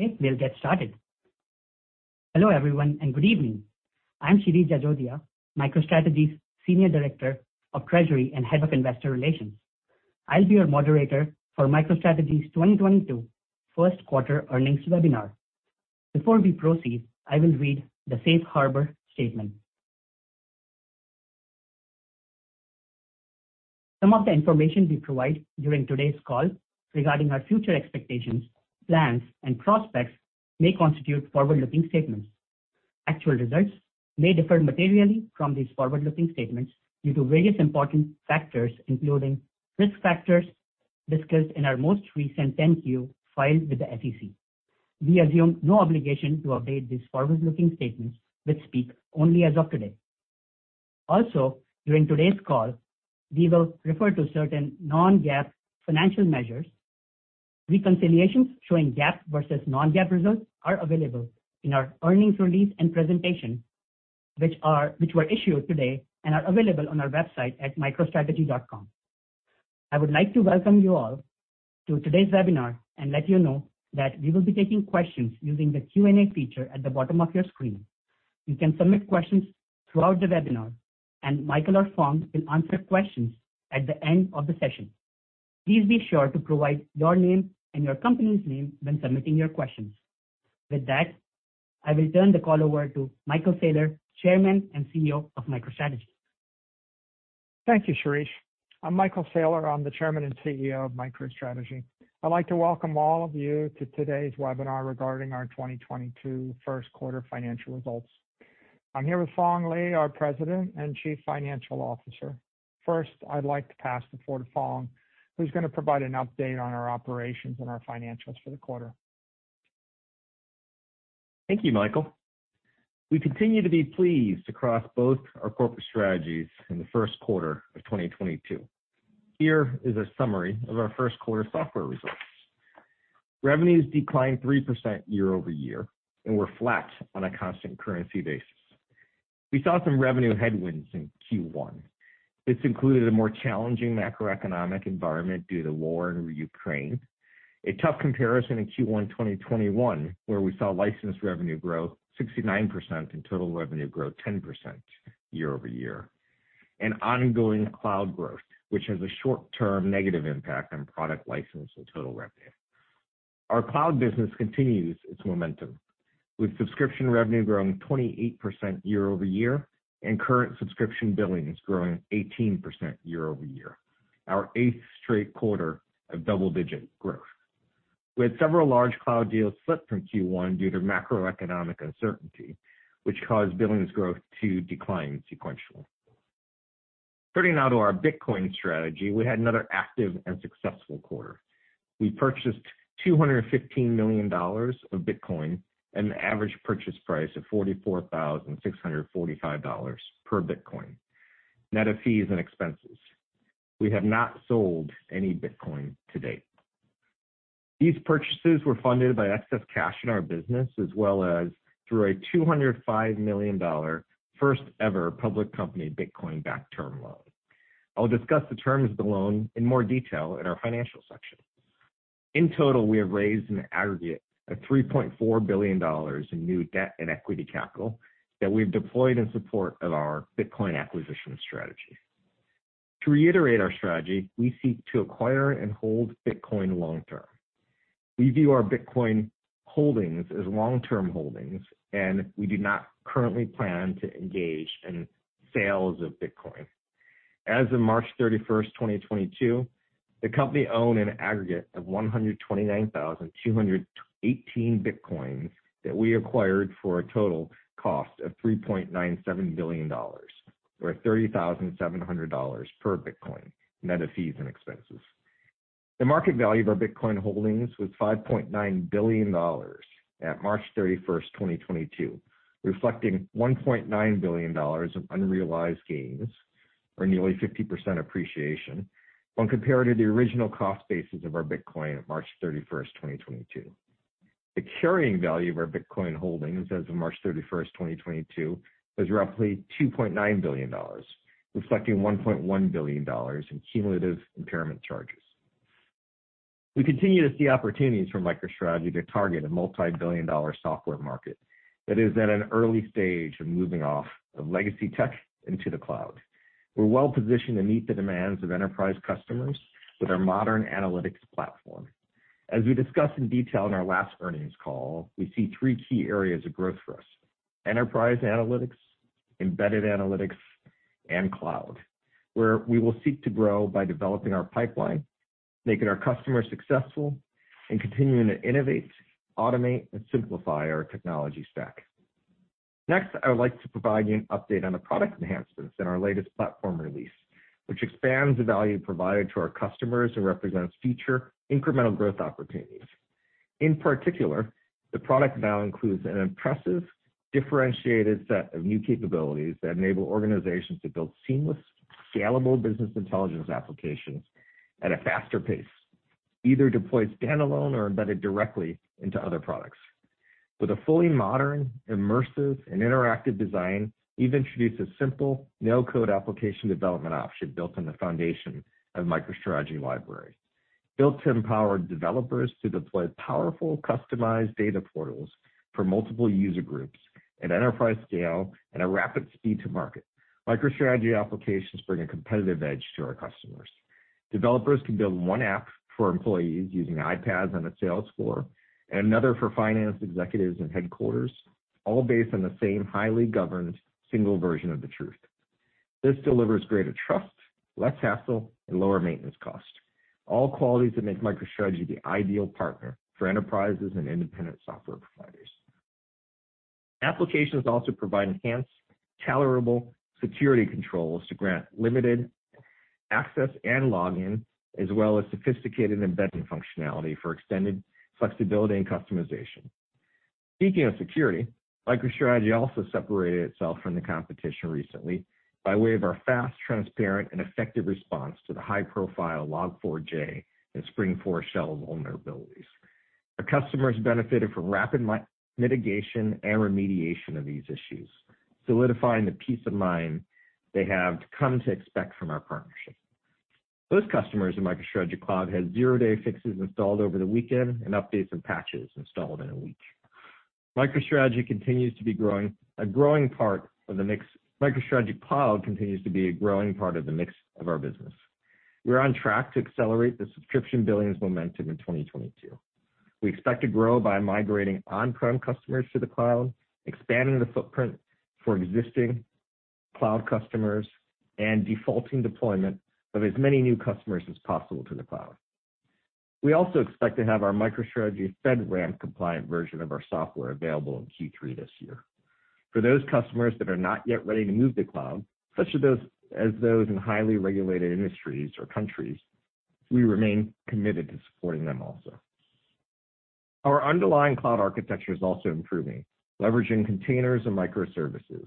Okay, we'll get started. Hello everyone and good evening. I'm Shirish Jajodia, MicroStrategy's Senior Director of Treasury and Head of Investor Relations. I'll be your moderator for MicroStrategy's 2022 First Quarter Earnings Webinar. Before we proceed, I will read the safe harbor statement. Some of the information we provide during today's call regarding our future expectations, plans and prospects may constitute forward-looking statements. Actual results may differ materially from these forward-looking statements due to various important factors, including risk factors discussed in our most recent 10-Q filed with the SEC. We assume no obligation to update these forward-looking statements, which speak only as of today. Also, during today's call, we will refer to certain non-GAAP financial measures. Reconciliations showing GAAP versus non-GAAP results are available in our earnings release and presentation, which were issued today and are available on our website at microstrategy.com. I would like to welcome you all to today's webinar and let you know that we will be taking questions using the Q&A feature at the bottom of your screen. You can submit questions throughout the webinar, and Michael or Phong will answer questions at the end of the session. Please be sure to provide your name and your company's name when submitting your questions. With that, I will turn the call over to Michael Saylor, Chairman and CEO of MicroStrategy. Thank you, Shirish. I'm Michael Saylor. I'm the Chairman and CEO of MicroStrategy. I'd like to welcome all of you to today's webinar regarding our 2022 first quarter financial results. I'm here with Phong Le, our President and Chief Financial Officer. First, I'd like to pass the floor to Phong, who's going to provide an update on our operations and our financials for the quarter. Thank you, Michael. We continue to be pleased across both our corporate strategies in the first quarter of 2022. Here is a summary of our first quarter software results. Revenues declined 3% year-over-year and were flat on a constant currency basis. We saw some revenue headwinds in Q1. This included a more challenging macroeconomic environment due to war in Ukraine, a tough comparison in Q1 2021, where we saw license revenue grow 69% and total revenue grow 10% year-over-year, and ongoing cloud growth, which has a short-term negative impact on product license and total revenue. Our cloud business continues its momentum, with subscription revenue growing 28% year-over-year and current subscription billings growing 18% year-over-year, our eighth straight quarter of double-digit growth. We had several large cloud deals slip from Q1 due to macroeconomic uncertainty, which caused billings growth to decline sequentially. Turning now to our Bitcoin strategy, we had another active and successful quarter. We purchased $215 million of Bitcoin at an average purchase price of $44,645 per Bitcoin, net of fees and expenses. We have not sold any Bitcoin to date. These purchases were funded by excess cash in our business as well as through a $205 million first ever public company Bitcoin-backed term loan. I'll discuss the terms of the loan in more detail in our financial section. In total, we have raised an aggregate of $3.4 billion in new debt and equity capital that we've deployed in support of our Bitcoin acquisition strategy. To reiterate our strategy, we seek to acquire and hold Bitcoin long term. We view our Bitcoin holdings as long-term holdings, and we do not currently plan to engage in sales of Bitcoin. As of March 31, 2022, the company owned an aggregate of 129,218 bitcoins that we acquired for a total cost of $3.97 billion or $30,700 per bitcoin, net of fees and expenses. The market value of our Bitcoin holdings was $5.9 billion at March 31st, 2022, reflecting $1.9 billion of unrealized gains, or nearly 50% appreciation when compared to the original cost basis of our Bitcoin at March 31st, 2022. The carrying value of our Bitcoin holdings as of March 31st, 2022, was roughly $2.9 billion, reflecting $1.1 billion in cumulative impairment charges. We continue to see opportunities for MicroStrategy to target a multi-billion dollar software market that is at an early stage of moving off of legacy tech into the cloud. We're well positioned to meet the demands of enterprise customers with our modern analytics platform. As we discussed in detail in our last earnings call, we see three key areas of growth for us, enterprise analytics, embedded analytics, and cloud, where we will seek to grow by developing our pipeline, making our customers successful, and continuing to innovate, automate, and simplify our technology stack. Next, I would like to provide you an update on the product enhancements in our latest platform release, which expands the value provided to our customers and represents future incremental growth opportunities. In particular, the product now includes an impressive differentiated set of new capabilities that enable organizations to build seamless, scalable business intelligence applications at a faster pace, either deployed standalone or embedded directly into other products. With a fully modern, immersive, and interactive design, we've introduced a simple no-code application development option built on the foundation of MicroStrategy Library. Built to empower developers to deploy powerful customized data portals for multiple user groups at enterprise scale and a rapid speed to market. MicroStrategy applications bring a competitive edge to our customers. Developers can build one app for employees using iPads on a sales floor and another for finance executives in headquarters, all based on the same highly governed single version of the truth. This delivers greater trust, less hassle, and lower maintenance cost. All qualities that make MicroStrategy the ideal partner for enterprises and independent software providers. Applications also provide enhanced, tolerable security controls to grant limited access and login, as well as sophisticated embedding functionality for extended flexibility and customization. Speaking of security, MicroStrategy also separated itself from the competition recently by way of our fast, transparent, and effective response to the high-profile Log4j and Spring4Shell vulnerabilities. Our customers benefited from rapid mitigation and remediation of these issues, solidifying the peace of mind they have come to expect from our partnership. Those customers in MicroStrategy Cloud had zero-day fixes installed over the weekend and updates and patches installed in a week. MicroStrategy Cloud continues to be a growing part of the mix of our business. We're on track to accelerate the subscription billings momentum in 2022. We expect to grow by migrating on-prem customers to the cloud, expanding the footprint for existing cloud customers, and defaulting deployment of as many new customers as possible to the cloud. We also expect to have our MicroStrategy FedRAMP-compliant version of our software available in Q3 this year. For those customers that are not yet ready to move to cloud, such as those in highly regulated industries or countries, we remain committed to supporting them also. Our underlying cloud architecture is also improving, leveraging containers and microservices.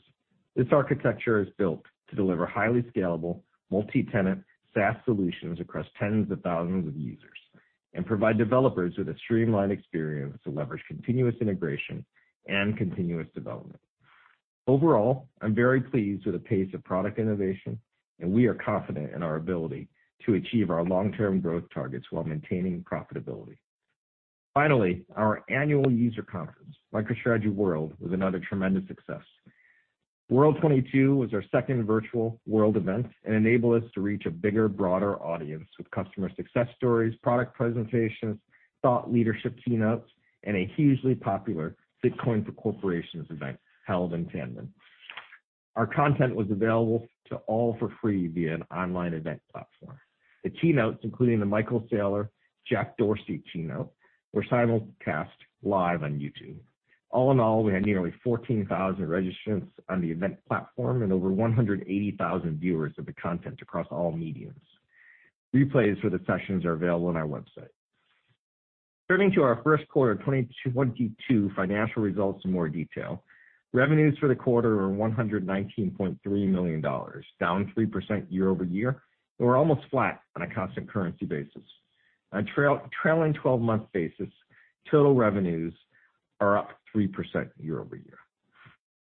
This architecture is built to deliver highly scalable, multi-tenant SaaS solutions across tens of thousands of users and provide developers with a streamlined experience to leverage continuous integration and continuous development. Overall, I'm very pleased with the pace of product innovation, and we are confident in our ability to achieve our long-term growth targets while maintaining profitability. Finally, our annual user conference, MicroStrategy World, was another tremendous success. MicroStrategy World 2022 was our second virtual world event and enabled us to reach a bigger, broader audience with customer success stories, product presentations, thought leadership keynotes, and a hugely popular Bitcoin for corporations event held in tandem. Our content was available to all for free via an online event platform. The keynotes, including the Michael Saylor, Jack Dorsey keynote, were simulcast live on YouTube. All in all, we had nearly 14,000 registrants on the event platform and over 180,000 viewers of the content across all mediums. Replays for the sessions are available on our website. Turning to our first quarter of 2022 financial results in more detail. Revenues for the quarter were $119.3 million, down 3% year-over-year, and were almost flat on a constant currency basis. On a trailing twelve-month basis, total revenues are up 3% year-over-year.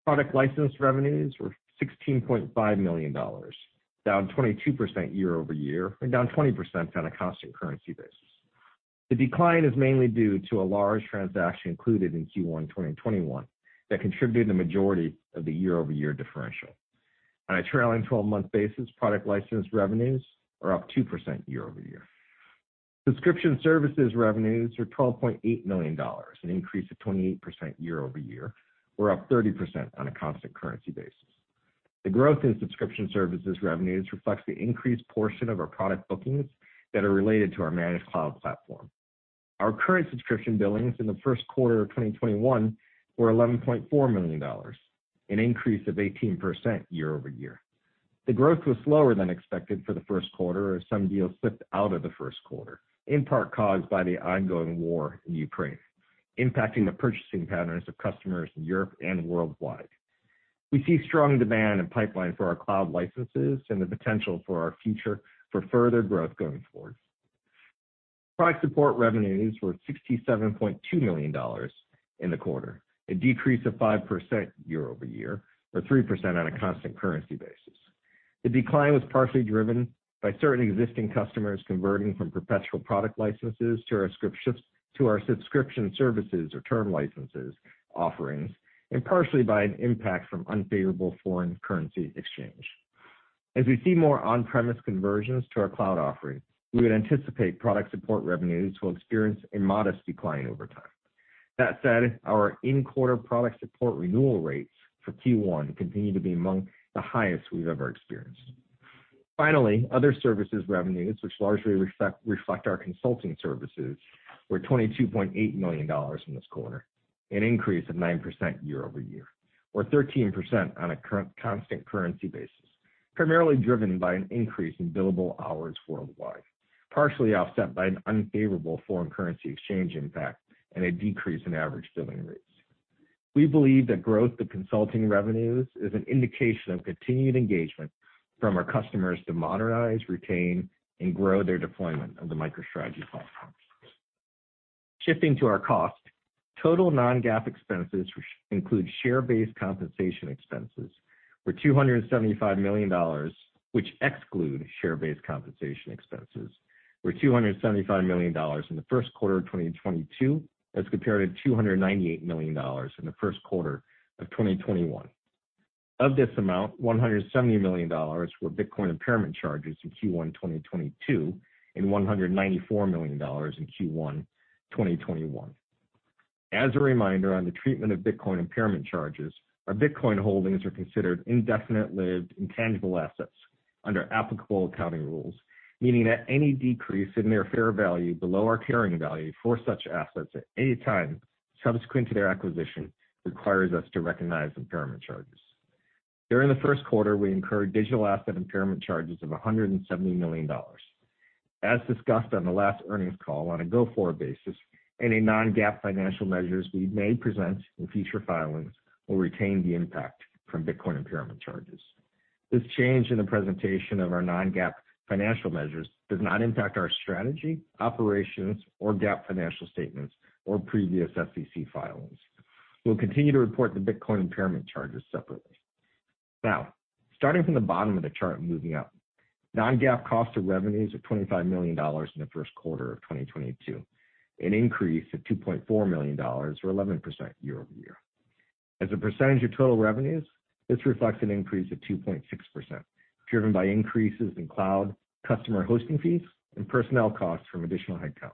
Product license revenues were $16.5 million, down 22% year-over-year and down 20% on a constant currency basis. The decline is mainly due to a large transaction included in Q1 2021 that contributed the majority of the year-over-year differential. On a trailing twelve-month basis, product license revenues are up 2% year-over-year. Subscription services revenues were $12.8 million, an increase of 28% year-over-year, or up 30% on a constant currency basis. The growth in subscription services revenues reflects the increased portion of our product bookings that are related to our managed cloud platform. Our current subscription billings in the first quarter of 2021 were $11.4 million, an increase of 18% year-over-year. The growth was slower than expected for the first quarter as some deals slipped out of the first quarter, in part caused by the ongoing war in Ukraine, impacting the purchasing patterns of customers in Europe and worldwide. We see strong demand in pipeline for our cloud licenses and the potential for our future for further growth going forward. Product support revenues were $67.2 million in the quarter, a decrease of 5% year-over-year, or 3% on a constant currency basis. The decline was partially driven by certain existing customers converting from perpetual product licenses to our subscription services or term licenses offerings, and partially by an impact from unfavorable foreign currency exchange. As we see more on-premise conversions to our cloud offerings, we would anticipate product support revenues will experience a modest decline over time. That said, our in-quarter product support renewal rates for Q1 continue to be among the highest we've ever experienced. Finally, other services revenues, which largely reflect our consulting services, were $22.8 million in this quarter, an increase of 9% year over year or 13% on a constant currency basis, primarily driven by an increase in billable hours worldwide, partially offset by an unfavorable foreign currency exchange impact and a decrease in average billing rates. We believe that growth of consulting revenues is an indication of continued engagement from our customers to modernize, retain, and grow their deployment of the MicroStrategy platforms. Shifting to our costs, total non-GAAP expenses, which include share-based compensation expenses, were $275 million, which exclude share-based compensation expenses were $275 million in the first quarter of 2022 as compared to $298 million in the first quarter of 2021. Of this amount, $170 million were Bitcoin impairment charges in Q1 2022, and $194 million in Q1 2021. As a reminder on the treatment of Bitcoin impairment charges, our Bitcoin holdings are considered indefinite-lived intangible assets under applicable accounting rules, meaning that any decrease in their fair value below our carrying value for such assets at any time subsequent to their acquisition requires us to recognize impairment charges. During the first quarter, we incurred digital asset impairment charges of $170 million. As discussed on the last earnings call on a go-forward basis, any non-GAAP financial measures we may present in future filings will retain the impact from Bitcoin impairment charges. This change in the presentation of our non-GAAP financial measures does not impact our strategy, operations, or GAAP financial statements, or previous SEC filings. We'll continue to report the Bitcoin impairment charges separately. Now, starting from the bottom of the chart and moving up. Non-GAAP cost of revenues of $25 million in the first quarter of 2022, an increase of $2.4 million or 11% year-over-year. As a percentage of total revenues, this reflects an increase of 2.6%, driven by increases in cloud customer hosting fees and personnel costs from additional headcount.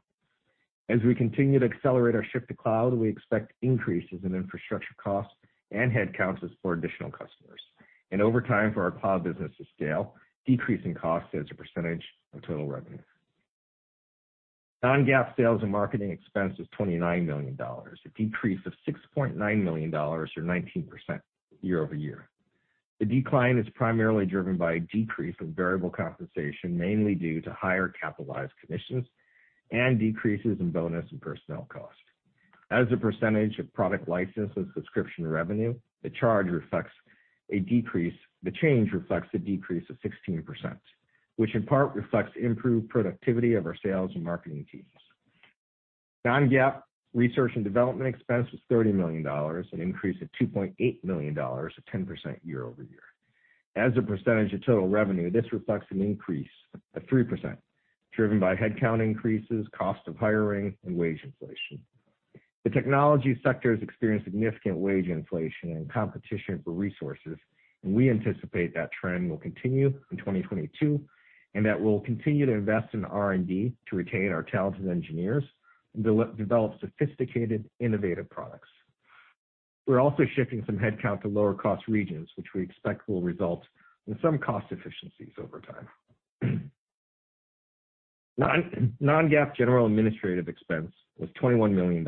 As we continue to accelerate our shift to cloud, we expect increases in infrastructure costs and headcounts for additional customers. Over time for our cloud business to scale, decreasing costs as a percentage of total revenue. Non-GAAP sales and marketing expense was $29 million, a decrease of $6.9 million or 19% year-over-year. The decline is primarily driven by a decrease in variable compensation, mainly due to higher capitalized commissions and decreases in bonus and personnel cost. As a percentage of product license and subscription revenue, the change reflects a decrease of 16%, which in part reflects improved productivity of our sales and marketing teams. Non-GAAP research and development expense was $30 million, an increase of $2.8 million, a 10% year-over-year. As a percentage of total revenue, this reflects an increase of 3% driven by headcount increases, cost of hiring, and wage inflation. The technology sector has experienced significant wage inflation and competition for resources, and we anticipate that trend will continue in 2022, and that we'll continue to invest in R&D to retain our talented engineers and develop sophisticated, innovative products. We're also shifting some headcount to lower cost regions, which we expect will result in some cost efficiencies over time. non-GAAP general administrative expense was $21 million,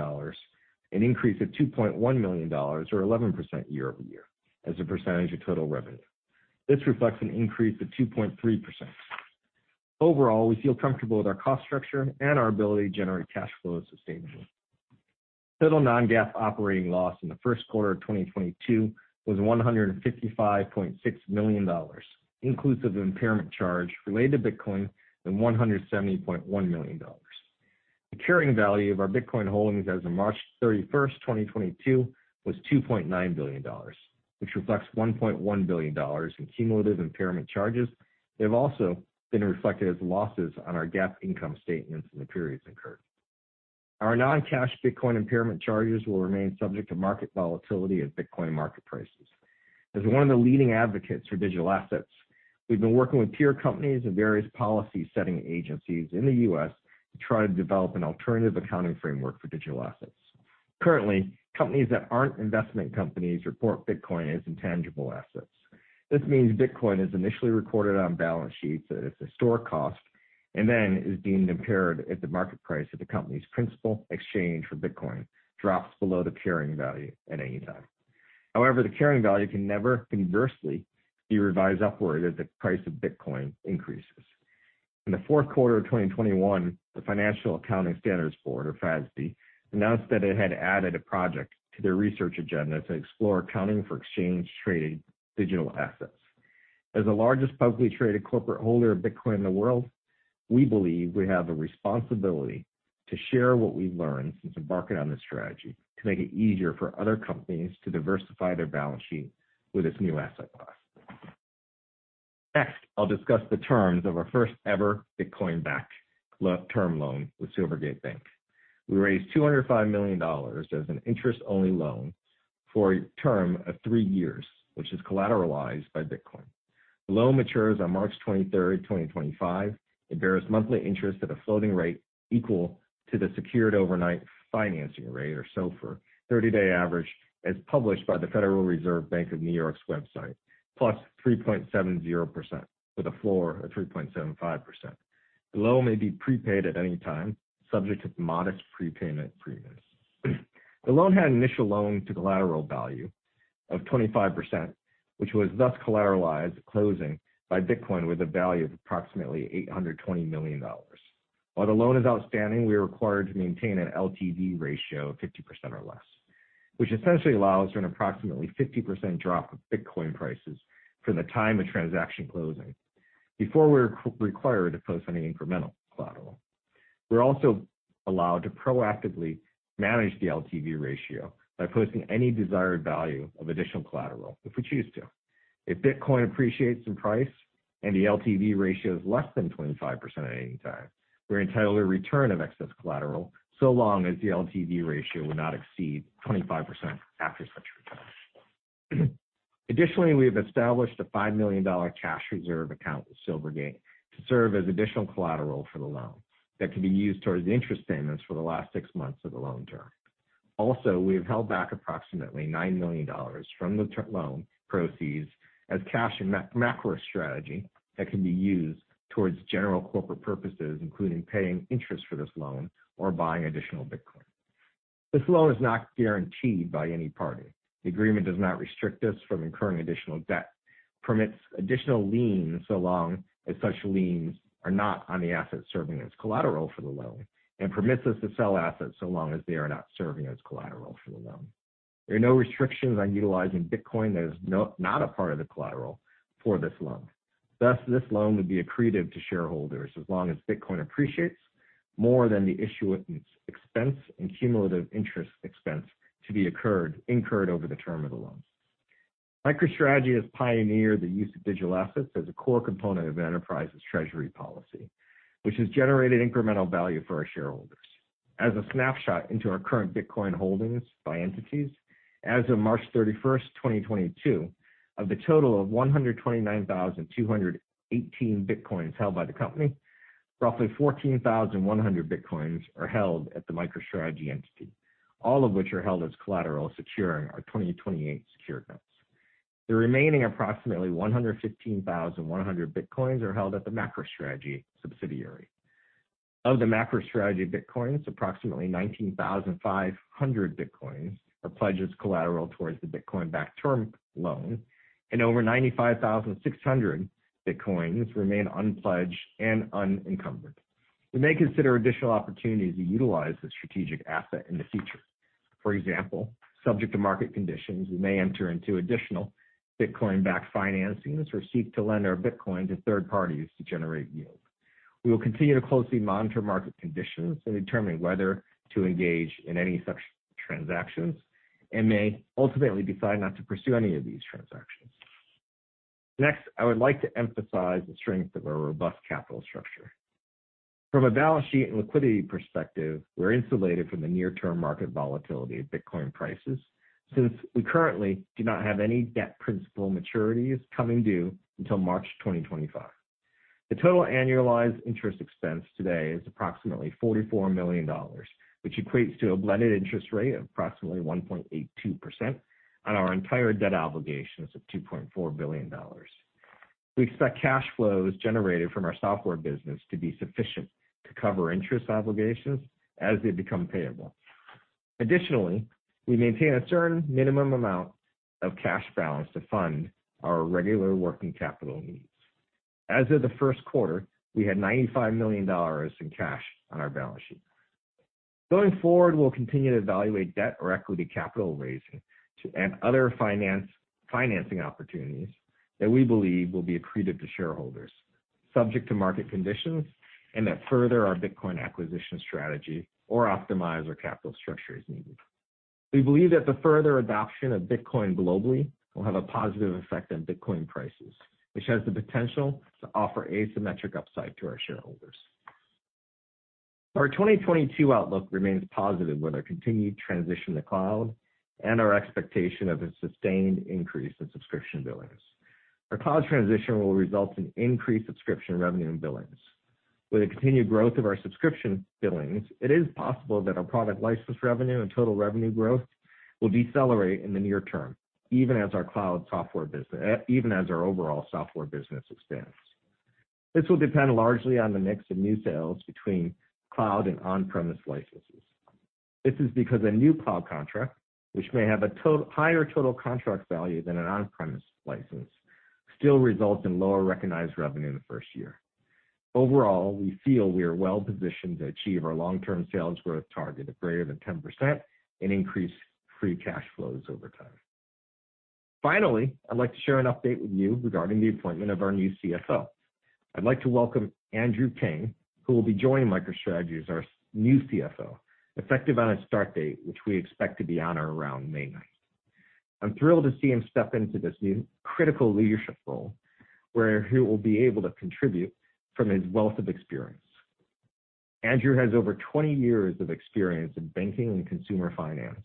an increase of $2.1 million or 11% year-over-year as a percentage of total revenue. This reflects an increase of 2.3%. Overall, we feel comfortable with our cost structure and our ability to generate cash flow sustainably. Total non-GAAP operating loss in the first quarter of 2022 was $155.6 million, inclusive of impairment charge related to Bitcoin and $170.1 million. The carrying value of our Bitcoin holdings as of March 31st, 2022 was $2.9 billion, which reflects $1.1 billion in cumulative impairment charges. They've also been reflected as losses on our GAAP income statements in the periods incurred. Our non-cash Bitcoin impairment charges will remain subject to market volatility at Bitcoin market prices. As one of the leading advocates for digital assets, we've been working with peer companies and various policy-setting agencies in the U.S. to try to develop an alternative accounting framework for digital assets. Currently, companies that aren't investment companies report Bitcoin as intangible assets. This means Bitcoin is initially recorded on balance sheets at its historic cost, and then is deemed impaired if the market price of the company's principal exchange for Bitcoin drops below the carrying value at any time. However, the carrying value can never conversely be revised upward as the price of Bitcoin increases. In the fourth quarter of 2021, the Financial Accounting Standards Board, or FASB, announced that it had added a project to their research agenda to explore accounting for exchange traded digital assets. As the largest publicly traded corporate holder of Bitcoin in the world, we believe we have a responsibility to share what we've learned since embarking on this strategy to make it easier for other companies to diversify their balance sheet with this new asset class. Next, I'll discuss the terms of our first ever Bitcoin-backed term loan with Silvergate Bank. We raised $205 million as an interest-only loan for a term of three years, which is collateralized by Bitcoin. The loan matures on March 23rd, 2025. It bears monthly interest at a floating rate equal to the secured overnight financing rate or SOFR, 30-day average, as published by the Federal Reserve Bank of New York's website, plus 3.70% with a floor of 3.75%. The loan may be prepaid at any time subject to modest prepayment premiums. The loan had initial loan to collateral value of 25%, which was thus collateralized at closing by Bitcoin with a value of approximately $820 million. While the loan is outstanding, we are required to maintain an LTV ratio of 50% or less, which essentially allows for an approximately 50% drop of Bitcoin prices from the time of transaction closing before we're required to post any incremental collateral. We're also allowed to proactively manage the LTV ratio by posting any desired value of additional collateral if we choose to. If Bitcoin appreciates in price and the LTV ratio is less than 25% at any time, we're entitled to a return of excess collateral, so long as the LTV ratio would not exceed 25% after such return. Additionally, we have established a $5 million cash reserve account with Silvergate to serve as additional collateral for the loan that can be used towards interest payments for the last six months of the loan term. Also, we have held back approximately $9 million from the loan proceeds as cash in MicroStrategy that can be used towards general corporate purposes, including paying interest for this loan or buying additional Bitcoin. This loan is not guaranteed by any party. The agreement does not restrict us from incurring additional debt, permits additional liens, so long as such liens are not on the assets serving as collateral for the loan, and permits us to sell assets so long as they are not serving as collateral for the loan. There are no restrictions on utilizing Bitcoin that is not a part of the collateral for this loan. Thus, this loan would be accretive to shareholders as long as Bitcoin appreciates more than the issuance expense and cumulative interest expense to be incurred over the term of the loan. MicroStrategy has pioneered the use of digital assets as a core component of enterprise's treasury policy, which has generated incremental value for our shareholders. As a snapshot into our current Bitcoin holdings by entities, as of March 31st, 2022, of the total of 129,218 Bitcoins held by the company, roughly 14,100 Bitcoins are held at the MicroStrategy entity, all of which are held as collateral securing our 2028 secured notes. The remaining approximately 115,100 Bitcoins are held at the MicroStrategy subsidiary. Of the MicroStrategy Bitcoins, approximately 19,500 Bitcoins are pledged as collateral towards the Bitcoin-backed term loan, and over 95,600 Bitcoins remain unpledged and unencumbered. We may consider additional opportunities to utilize this strategic asset in the future. For example, subject to market conditions, we may enter into additional Bitcoin-backed financings or seek to lend our Bitcoin to third parties to generate yield. We will continue to closely monitor market conditions to determine whether to engage in any such transactions and may ultimately decide not to pursue any of these transactions. Next, I would like to emphasize the strength of our robust capital structure. From a balance sheet and liquidity perspective, we're insulated from the near term market volatility of Bitcoin prices since we currently do not have any debt principal maturities coming due until March 2025. The total annualized interest expense today is approximately $44 million, which equates to a blended interest rate of approximately 1.82% on our entire debt obligations of $2.4 billion. We expect cash flows generated from our software business to be sufficient to cover interest obligations as they become payable. Additionally, we maintain a certain minimum amount of cash balance to fund our regular working capital needs. As of the first quarter, we had $95 million in cash on our balance sheet. Going forward, we'll continue to evaluate debt or equity capital raising and other financing opportunities that we believe will be accretive to shareholders, subject to market conditions, and that further our Bitcoin acquisition strategy or optimize our capital structure as needed. We believe that the further adoption of Bitcoin globally will have a positive effect on Bitcoin prices, which has the potential to offer asymmetric upside to our shareholders. Our 2022 outlook remains positive with our continued transition to cloud and our expectation of a sustained increase in subscription billings. Our cloud transition will result in increased subscription revenue and billings. With the continued growth of our subscription billings, it is possible that our product license revenue and total revenue growth will decelerate in the near term, even as our cloud software business expands. This will depend largely on the mix of new sales between cloud and on-premise licenses. This is because a new cloud contract, which may have a higher total contract value than an on-premise license, still results in lower recognized revenue in the first year. Overall, we feel we are well-positioned to achieve our long-term sales growth target of greater than 10% and increase free cash flows over time. Finally, I'd like to share an update with you regarding the appointment of our new CFO. I'd like to welcome Andrew Kang, who will be joining MicroStrategy as our new CFO, effective on a start date which we expect to be on or around May 9th. I'm thrilled to see him step into this new critical leadership role where he will be able to contribute from his wealth of experience. Andrew has over 20 years of experience in banking and consumer finance,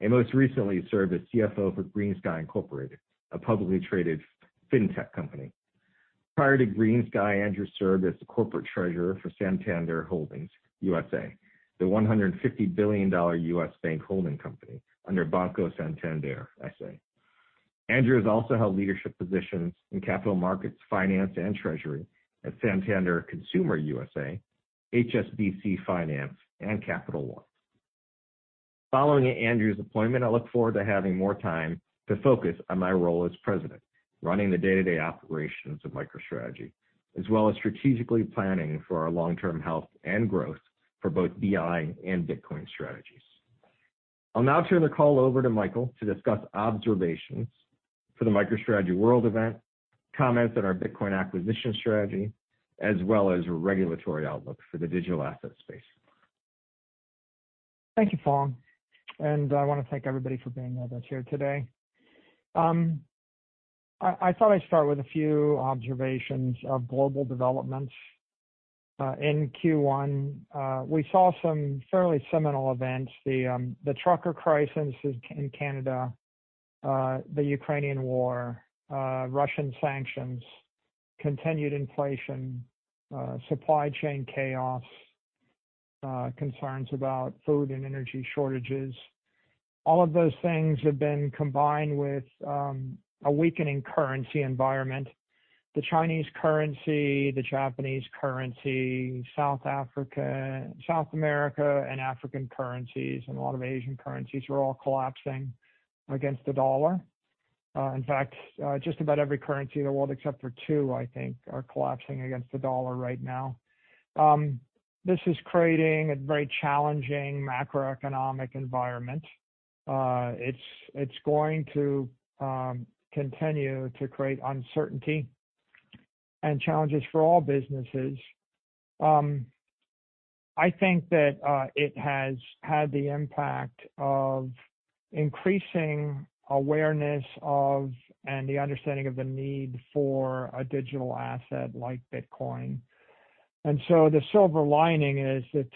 and most recently served as CFO for GreenSky Incorporated, a publicly traded fintech company. Prior to GreenSky, Andrew served as the corporate treasurer for Santander Holdings USA, the $150 billion U.S. bank holding company under Banco Santander, S.A. Andrew has also held leadership positions in capital markets, finance, and treasury at Santander Consumer USA, HSBC Finance, and Capital One. Following Andrew's appointment, I look forward to having more time to focus on my role as president, running the day-to-day operations of MicroStrategy, as well as strategically planning for our long-term health and growth for both BI and Bitcoin strategies. I'll now turn the call over to Michael to discuss observations for the MicroStrategy World event, comments on our Bitcoin acquisition strategy, as well as regulatory outlook for the digital asset space. Thank you, Phong. I wanna thank everybody for being with us here today. I thought I'd start with a few observations of global developments. In Q1, we saw some fairly seminal events, the trucker crisis in Canada, the Ukrainian war, Russian sanctions, continued inflation, supply chain chaos, concerns about food and energy shortages. All of those things have been combined with a weakening currency environment. The Chinese currency, the Japanese currency, South Africa, South America, and African currencies, and a lot of Asian currencies are all collapsing against the US dollar. In fact, just about every currency in the world except for two, I think, are collapsing against the US dollar right now. This is creating a very challenging macroeconomic environment. It's going to continue to create uncertainty and challenges for all businesses. I think that it has had the impact of increasing awareness of, and the understanding of the need for a digital asset like Bitcoin. The silver lining is that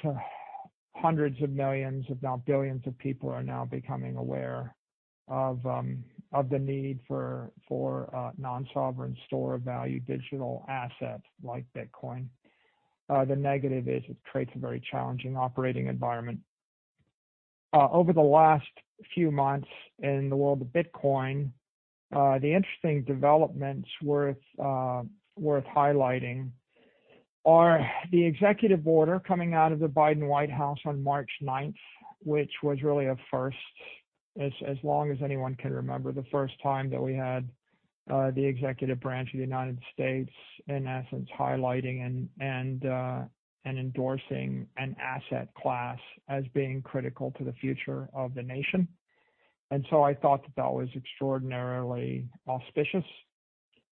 hundreds of millions, if not billions of people are now becoming aware of the need for non-sovereign store of value digital assets like Bitcoin. The negative is it creates a very challenging operating environment. Over the last few months in the world of Bitcoin, the interesting developments worth highlighting are the executive order coming out of the Biden White House on March ninth, which was really a first as long as anyone can remember. The first time that we had the executive branch of the United States, in essence, highlighting and endorsing an asset class as being critical to the future of the nation. I thought that was extraordinarily auspicious.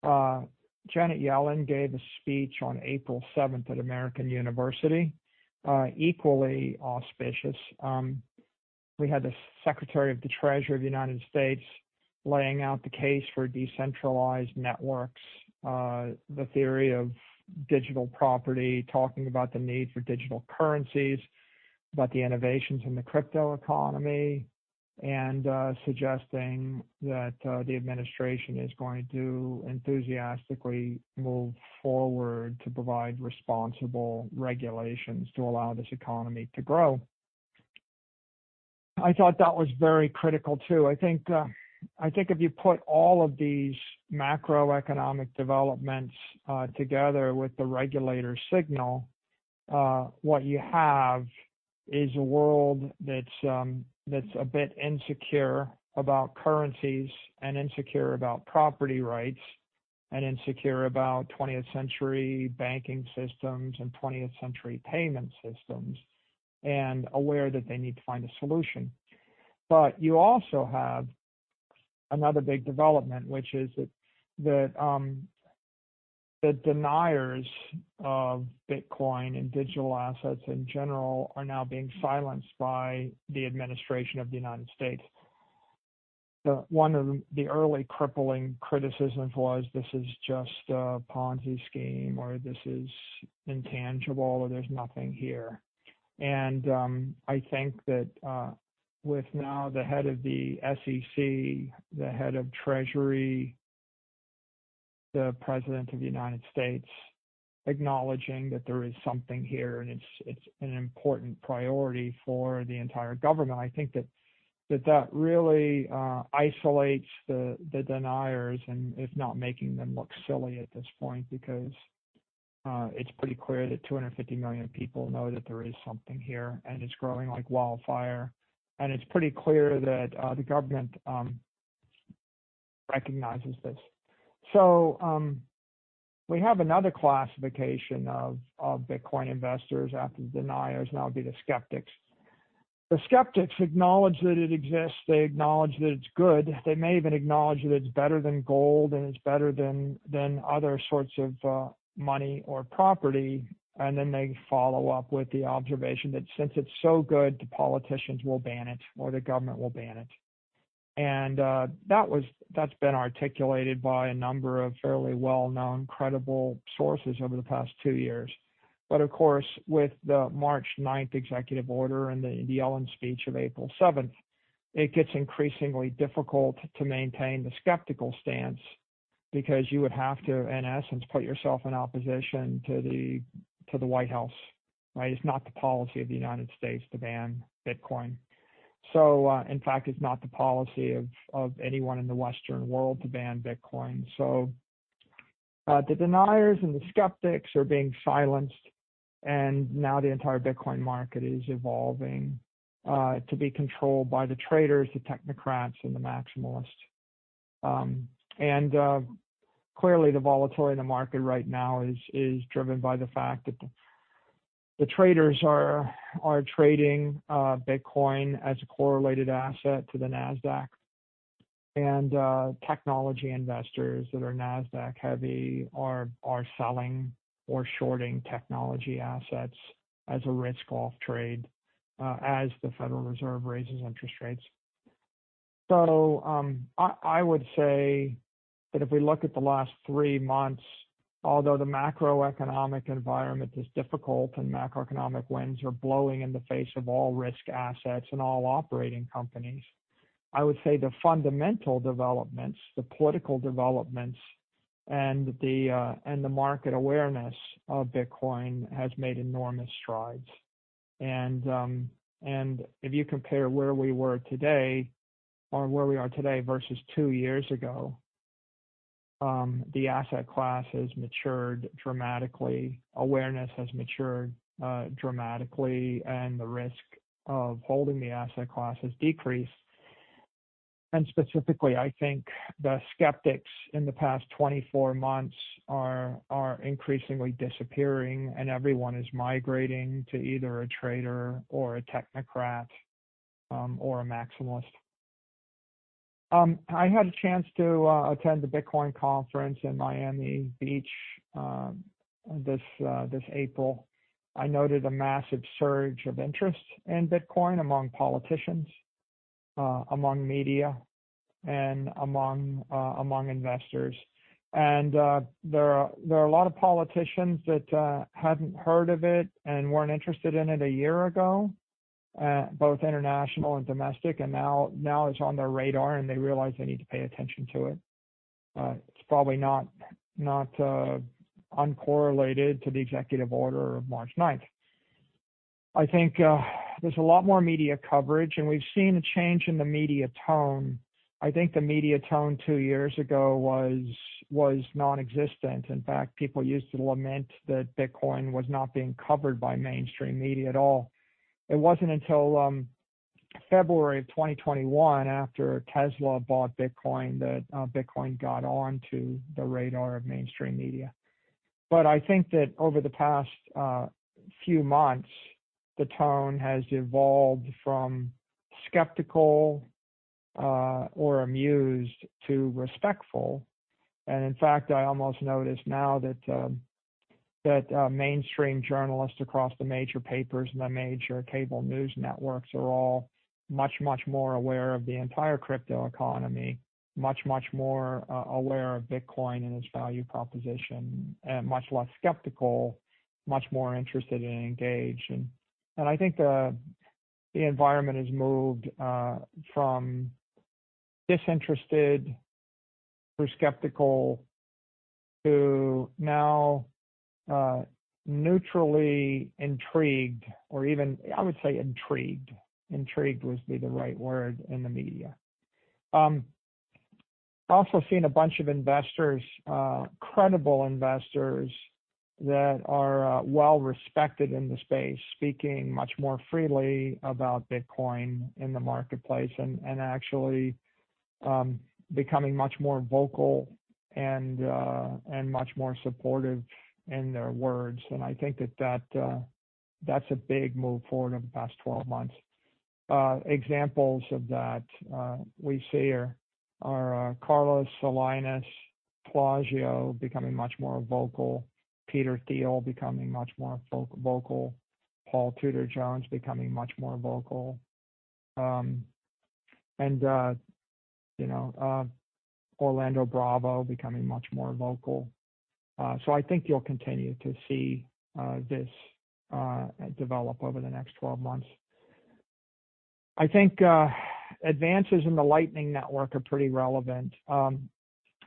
Janet Yellen gave a speech on April seventh at American University, equally auspicious. We had the Secretary of the Treasury of the United States laying out the case for decentralized networks, the theory of digital property, talking about the need for digital currencies, about the innovations in the crypto economy, and suggesting that the administration is going to enthusiastically move forward to provide responsible regulations to allow this economy to grow. I thought that was very critical, too. I think if you put all of these macroeconomic developments together with the regulator's signal, what you have is a world that's a bit insecure about currencies and insecure about property rights, and insecure about 20th-century banking systems and 20th-century payment systems, and aware that they need to find a solution. You also have another big development, which is that the deniers of Bitcoin and digital assets in general are now being silenced by the administration of the United States. One of the early crippling criticisms was this is just a Ponzi scheme, or this is intangible, or there's nothing here. I think that with now the head of the SEC, the head of the Treasury, the President of the United States acknowledging that there is something here and it's an important priority for the entire government. I think that really isolates the deniers and is not making them look silly at this point because it's pretty clear that 250 million people know that there is something here, and it's growing like wildfire. It's pretty clear that the government recognizes this. We have another classification of Bitcoin investors after the deniers, and that would be the skeptics. The skeptics acknowledge that it exists, they acknowledge that it's good. They may even acknowledge that it's better than gold and it's better than other sorts of money or property, and then they follow up with the observation that since it's so good, the politicians will ban it or the government will ban it. That's been articulated by a number of fairly well-known credible sources over the past two years. Of course, with the March 9th executive order and the Yellen speech of April 7th, it gets increasingly difficult to maintain the skeptical stance because you would have to, in essence, put yourself in opposition to the White House, right? It's not the policy of the United States to ban Bitcoin. In fact, it's not the policy of anyone in the Western world to ban Bitcoin. The deniers and the skeptics are being silenced, and now the entire Bitcoin market is evolving to be controlled by the traders, the technocrats, and the maximalists. Clearly, the volatility in the market right now is driven by the fact that the traders are trading Bitcoin as a correlated asset to the Nasdaq. Technology investors that are Nasdaq heavy are selling or shorting technology assets as a risk-off trade as the Federal Reserve raises interest rates. I would say that if we look at the last three months, although the macroeconomic environment is difficult and macroeconomic winds are blowing in the face of all risk assets and all operating companies, I would say the fundamental developments, the political developments, and the market awareness of Bitcoin has made enormous strides. If you compare where we were today or where we are today versus two years ago, the asset class has matured dramatically. Awareness has matured dramatically, and the risk of holding the asset class has decreased. Specifically, I think the skeptics in the past 24 months are increasingly disappearing, and everyone is migrating to either a trader or a technocrat, or a maximalist. I had a chance to attend the Bitcoin conference in Miami Beach, this April. I noted a massive surge of interest in Bitcoin among politicians, among media, and among investors. There are a lot of politicians that hadn't heard of it and weren't interested in it a year ago, both international and domestic. Now it's on their radar, and they realize they need to pay attention to it. It's probably not uncorrelated to the executive order of March 9th. I think there's a lot more media coverage, and we've seen a change in the media tone. I think the media tone two years ago was nonexistent. In fact, people used to lament that Bitcoin was not being covered by mainstream media at all. It wasn't until February of 2021, after Tesla bought Bitcoin, that Bitcoin got onto the radar of mainstream media. I think that over the past few months, the tone has evolved from skeptical or amused to respectful. In fact, I almost notice now that mainstream journalists across the major papers and the major cable news networks are all much, much more aware of the entire crypto economy, much, much more aware of Bitcoin and its value proposition, and much less skeptical, much more interested and engaged. I think the environment has moved from disinterested through skeptical to now neutrally intrigued, or even I would say intrigued. Intrigued would be the right word in the media. I've also seen a bunch of investors, credible investors that are well-respected in the space, speaking much more freely about Bitcoin in the marketplace and actually becoming much more vocal and much more supportive in their words. I think that that's a big move forward over the past 12 months. Examples of that we see are Ricardo Salinas Pliego becoming much more vocal, Peter Thiel becoming much more vocal, Paul Tudor Jones becoming much more vocal, and you know, Orlando Bravo becoming much more vocal. I think you'll continue to see this develop over the next 12 months. I think advances in the Lightning Network are pretty relevant.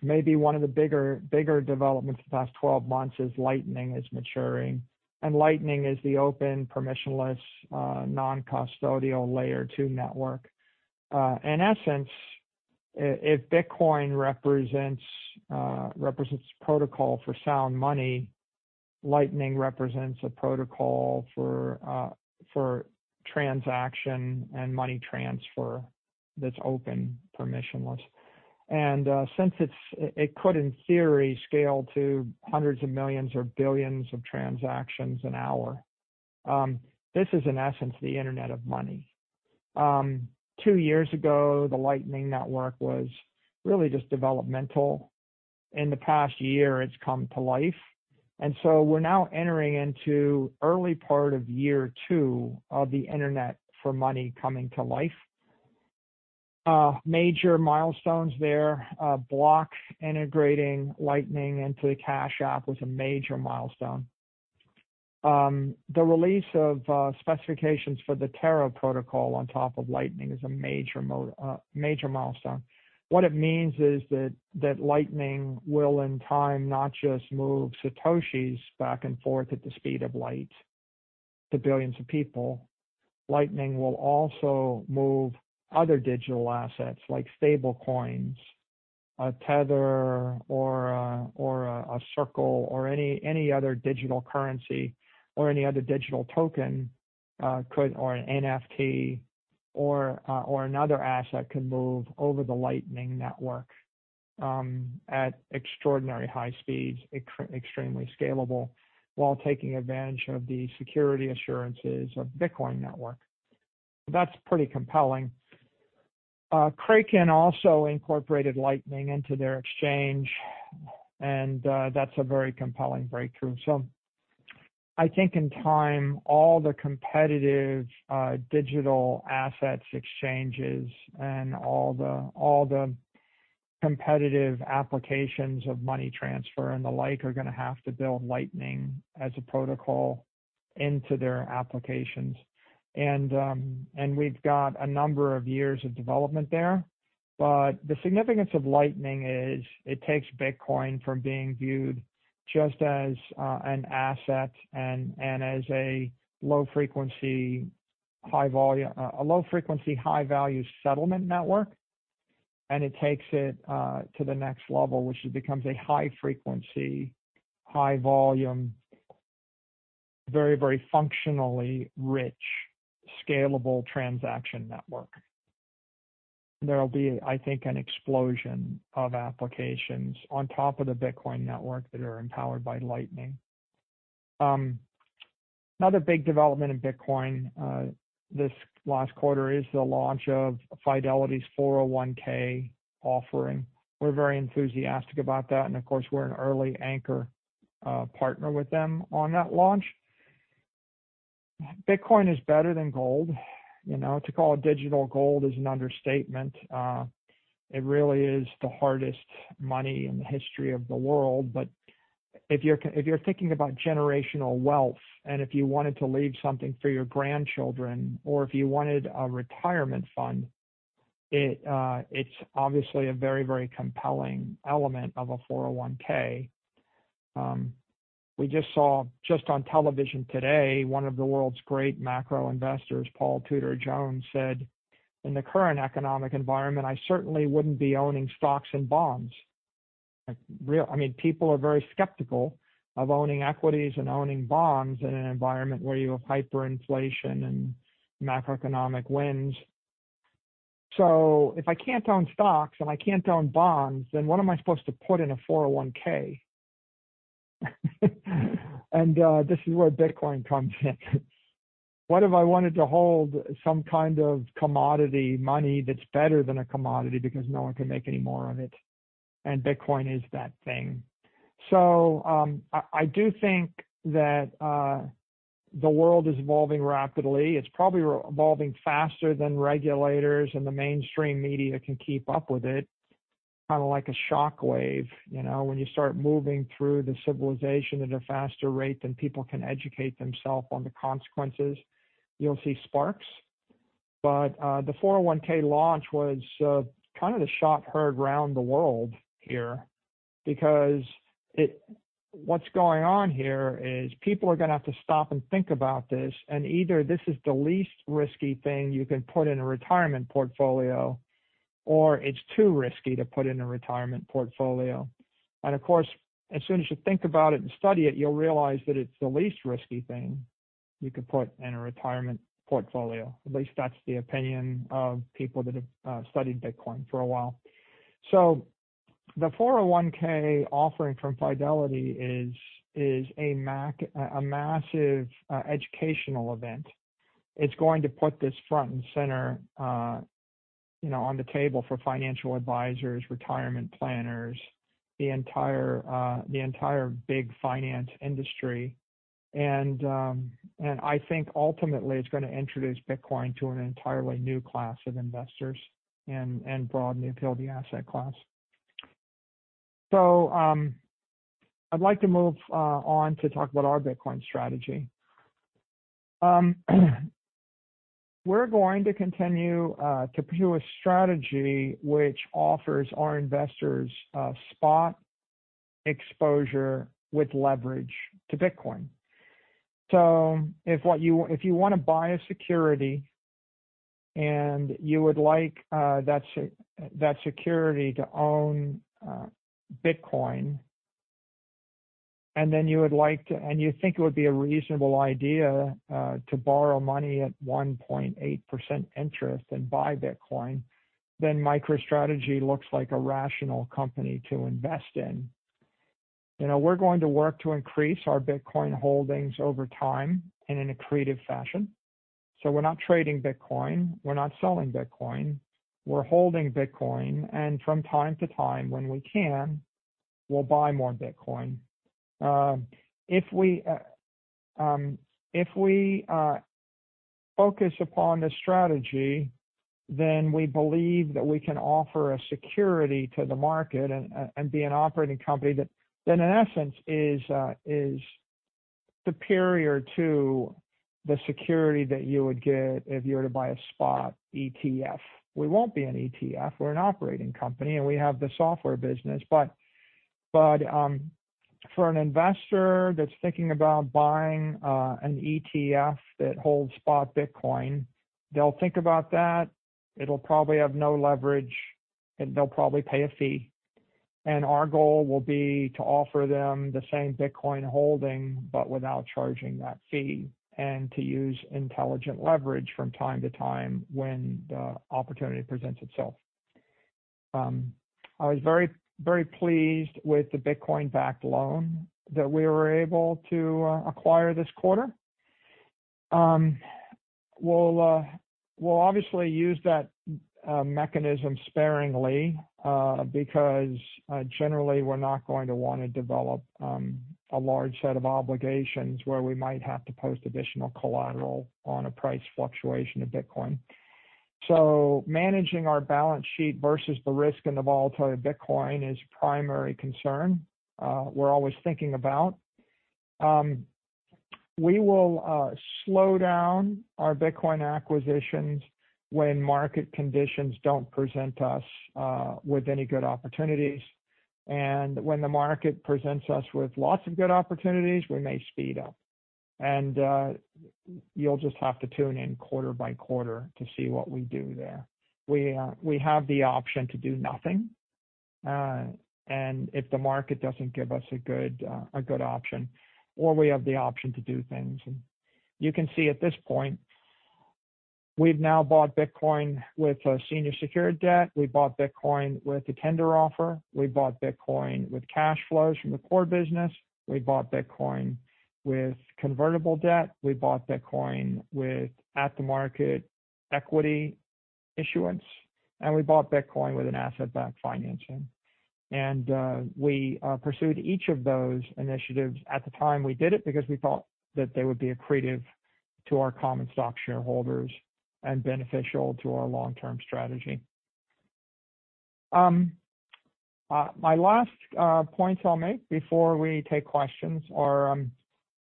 Maybe one of the bigger developments the past 12 months is Lightning is maturing. Lightning is the open permissionless non-custodial Layer two network. In essence, if Bitcoin represents protocol for sound money, Lightning represents a protocol for transaction and money transfer that's open permissionless. It could, in theory, scale to hundreds of millions or billions of transactions an hour. This is, in essence, the internet of money. Two years ago, the Lightning Network was really just developmental. In the past year, it's come to life. We're now entering into early part of year two of the internet for money coming to life. Major milestones there, Block integrating Lightning into the Cash App was a major milestone. The release of specifications for the Taro protocol on top of Lightning is a major milestone. What it means is that Lightning will, in time, not just move Satoshis back and forth at the speed of light to billions of people. Lightning will also move other digital assets like stablecoins, a Tether or a Circle or any other digital currency or any other digital token or an NFT or another asset over the Lightning Network at extraordinarily high speeds, extremely scalable while taking advantage of the security assurances of the Bitcoin network. That's pretty compelling. Kraken also incorporated Lightning into their exchange, and that's a very compelling breakthrough. I think in time, all the competitive digital assets exchanges and all the competitive applications of money transfer and the like are gonna have to build Lightning as a protocol into their applications. We've got a number of years of development there. The significance of Lightning is it takes Bitcoin from being viewed just as an asset and as a low frequency, high value settlement network. It takes it to the next level, which it becomes a high frequency, high volume, very functionally rich, scalable transaction network. There'll be, I think, an explosion of applications on top of the Bitcoin network that are empowered by Lightning. Another big development in Bitcoin this last quarter is the launch of Fidelity's 401(k) offering. We're very enthusiastic about that, and of course, we're an early anchor partner with them on that launch. Bitcoin is better than gold. You know, to call it digital gold is an understatement. It really is the hardest money in the history of the world. If you're thinking about generational wealth, and if you wanted to leave something for your grandchildren or if you wanted a retirement fund, it's obviously a very, very compelling element of a 401(k). We just saw on television today, one of the world's great macro investors, Paul Tudor Jones, said, "In the current economic environment, I certainly wouldn't be owning stocks and bonds." I mean, people are very skeptical of owning equities and owning bonds in an environment where you have hyperinflation and macroeconomic winds. If I can't own stocks and I can't own bonds, then what am I supposed to put in a 401(k)? This is where Bitcoin comes in. What if I wanted to hold some kind of commodity money that's better than a commodity because no one can make any more of it, and Bitcoin is that thing. I do think that the world is evolving rapidly. It's probably evolving faster than regulators and the mainstream media can keep up with it. Kinda like a shockwave, you know, when you start moving through the civilization at a faster rate than people can educate themselves on the consequences, you'll see sparks. The 401(k) launch was kind of the shot heard round the world here because what's going on here is people are gonna have to stop and think about this. Either this is the least risky thing you can put in a retirement portfolio, or it's too risky to put in a retirement portfolio. Of course, as soon as you think about it and study it, you'll realize that it's the least risky thing you could put in a retirement portfolio. At least that's the opinion of people that have studied Bitcoin for a while. The 401(k) offering from Fidelity is a massive educational event. It's going to put this front and center, you know, on the table for financial advisors, retirement planners, the entire big finance industry. I think ultimately it's gonna introduce Bitcoin to an entirely new class of investors and broaden the appeal of the asset class. I'd like to move on to talk about our Bitcoin strategy. We're going to continue to pursue a strategy which offers our investors spot exposure with leverage to Bitcoin. If you wanna buy a security and you would like that security to own Bitcoin, and you think it would be a reasonable idea to borrow money at 1.8% interest and buy Bitcoin, then MicroStrategy looks like a rational company to invest in. You know, we're going to work to increase our Bitcoin holdings over time and in a creative fashion. We're not trading Bitcoin, we're not selling Bitcoin, we're holding Bitcoin. From time to time, when we can, we'll buy more Bitcoin. If we focus upon this strategy, then we believe that we can offer a security to the market and be an operating company that in essence is superior to the security that you would get if you were to buy a spot ETF. We won't be an ETF. We're an operating company, and we have the software business. For an investor that's thinking about buying an ETF that holds spot Bitcoin, they'll think about that. It'll probably have no leverage, and they'll probably pay a fee. Our goal will be to offer them the same Bitcoin holding, but without charging that fee and to use intelligent leverage from time to time when the opportunity presents itself. I was very pleased with the Bitcoin-backed loan that we were able to acquire this quarter. We'll obviously use that mechanism sparingly, because generally we're not going to wanna develop a large set of obligations where we might have to post additional collateral on a price fluctuation of Bitcoin. Managing our balance sheet versus the risk and the volatility of Bitcoin is primary concern we're always thinking about. We will slow down our Bitcoin acquisitions when market conditions don't present us with any good opportunities. When the market presents us with lots of good opportunities, we may speed up. You'll just have to tune in quarter by quarter to see what we do there. We have the option to do nothing, and if the market doesn't give us a good option, or we have the option to do things. You can see at this point, we've now bought Bitcoin with a senior secured debt. We bought Bitcoin with a tender offer. We bought Bitcoin with cash flows from the core business. We bought Bitcoin with convertible debt. We bought Bitcoin with at-the-market equity issuance. We bought Bitcoin with an asset-backed financing. We pursued each of those initiatives at the time we did it because we thought that they would be accretive to our common stock shareholders and beneficial to our long-term strategy. My last points I'll make before we take questions are,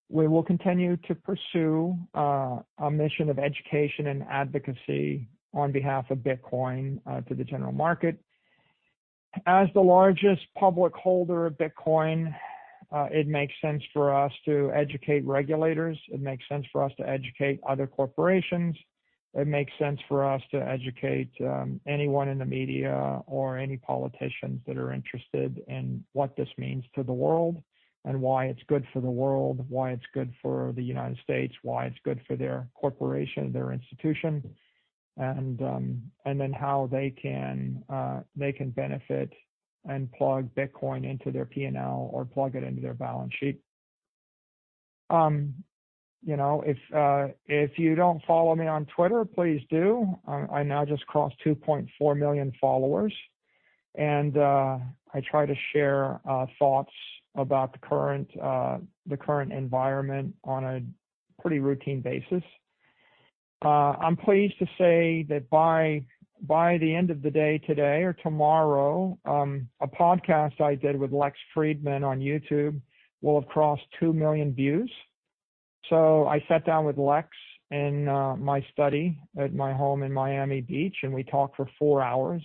we will continue to pursue a mission of education and advocacy on behalf of Bitcoin to the general market. As the largest public holder of Bitcoin, it makes sense for us to educate regulators. It makes sense for us to educate other corporations. It makes sense for us to educate anyone in the media or any politicians that are interested in what this means to the world and why it's good for the world, why it's good for the United States, why it's good for their corporation, their institution, and then how they can benefit and plug Bitcoin into their P&L or plug it into their balance sheet. You know, if you don't follow me on Twitter, please do. I now just crossed 2.4 million followers, and I try to share thoughts about the current environment on a pretty routine basis. I'm pleased to say that by the end of the day today or tomorrow, a podcast I did with Lex Fridman on YouTube will have crossed 2 million views. I sat down with Lex in my study at my home in Miami Beach, and we talked for 4 hours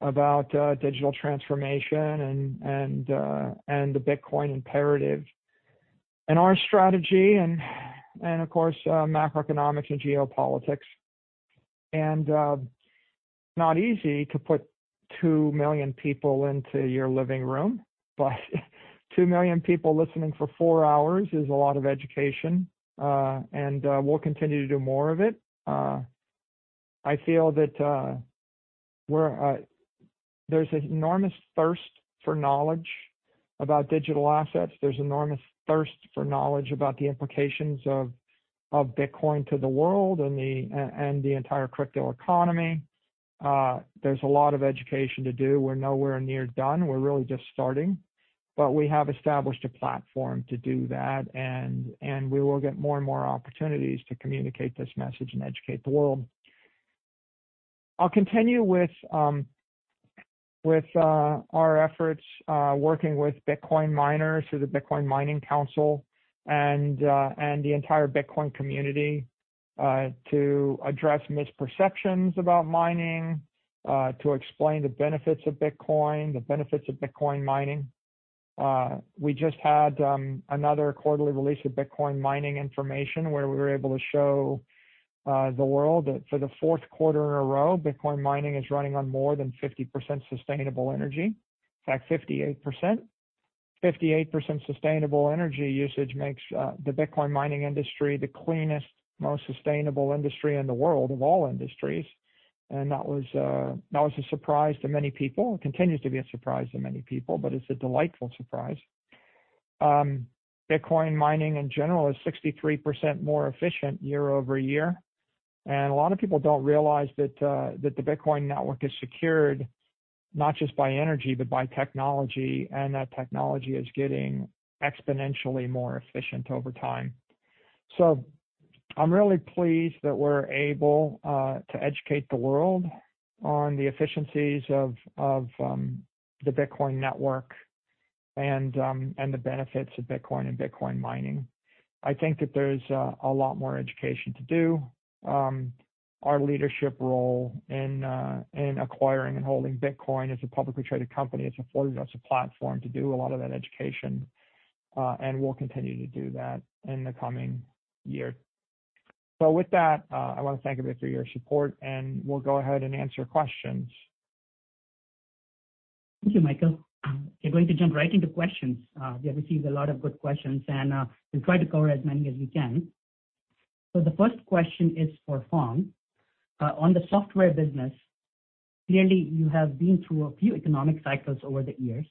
about digital transformation and the Bitcoin imperative and our strategy and of course macroeconomics and geopolitics. Not easy to put 2 million people into your living room, but 2 million people listening for 4 hours is a lot of education, and we'll continue to do more of it. I feel that there's enormous thirst for knowledge about digital assets. There's enormous thirst for knowledge about the implications of Bitcoin to the world and the entire crypto economy. There's a lot of education to do. We're nowhere near done. We're really just starting. We have established a platform to do that, and we will get more and more opportunities to communicate this message and educate the world. I'll continue with our efforts working with Bitcoin miners through the Bitcoin Mining Council and the entire Bitcoin community to address misperceptions about mining to explain the benefits of Bitcoin, the benefits of Bitcoin mining. We just had another quarterly release of Bitcoin mining information, where we were able to show the world that for the fourth quarter in a row, Bitcoin mining is running on more than 50% sustainable energy. In fact, 58%. 58% sustainable energy usage makes the Bitcoin mining industry the cleanest, most sustainable industry in the world of all industries. That was a surprise to many people, and it continues to be a surprise to many people, but it's a delightful surprise. Bitcoin mining in general is 63% more efficient year-over-year. A lot of people don't realize that the Bitcoin network is secured not just by energy, but by technology, and that technology is getting exponentially more efficient over time. I'm really pleased that we're able to educate the world on the efficiencies of the Bitcoin network and the benefits of Bitcoin and Bitcoin mining. I think that there's a lot more education to do. Our leadership role in acquiring and holding Bitcoin as a publicly traded company, it's afforded us a platform to do a lot of that education. We'll continue to do that in the coming year. With that, I wanna thank everybody for your support, and we'll go ahead and answer questions. Thank you, Michael. We're going to jump right into questions. We have received a lot of good questions, and we'll try to cover as many as we can. The first question is for Phong. On the software business, clearly you have been through a few economic cycles over the years.